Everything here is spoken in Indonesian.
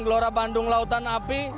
gelora bandung lautan api